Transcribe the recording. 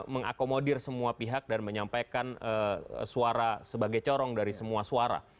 mengakomodir semua pihak dan menyampaikan suara sebagai corong dari semua suara